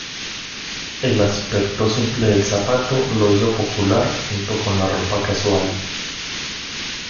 El aspecto simple del zapato lo hizo popular junto con la ropa casual.